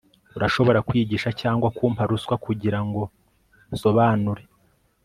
Urashobora kwigisha cyangwa kumpa ruswa kugirango nsobanure